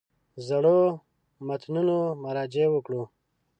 زړو متنونو مراجعې وکړو.